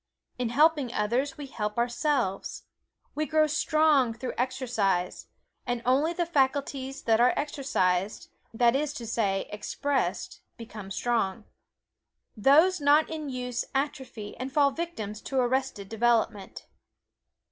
In helping others we help ourselves. We grow strong through exercise, and only the faculties that are exercised that is to say, expressed become strong. Those not in use atrophy and fall victims to arrested development.